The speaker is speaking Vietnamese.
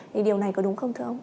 thì điều này có đúng không thưa ông